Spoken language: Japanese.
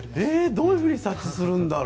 どういうふうに察知するんだろう？